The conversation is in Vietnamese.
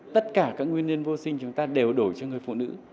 tất cả các nguyên nhân vô sinh chúng ta đều đổi cho người phụ nữ